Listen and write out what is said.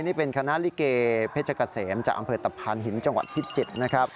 นี่เป็นคณะลิเกเภชกษมจากอำเภิษฐ์ตะพรานหินจังหวัดพิจิตย์